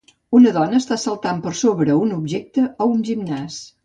Una dona està saltant per sobre un objecte a un gimnàs.